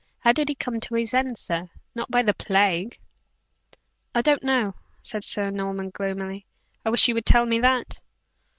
How did he come to his end, sir not by the plague?" "I don't know," said Sir Norman, gloomily. "I wish you would tell me that."